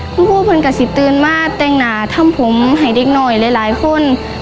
คุณคู่คุณก็สิทธิ์ตื่นมาแต่งหนาทำผมให้เด็กหน่อยหลายคน